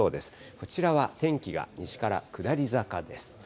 こちらは天気が西から下り坂です。